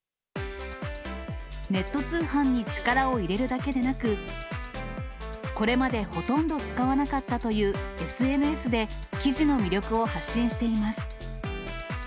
ネット通販に力を入れるだけでなく、これまでほとんど使わなかったというＳＮＳで、生地の魅力を発信しています。